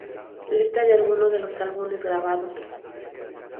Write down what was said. Lista de algunos de los álbumes grabados.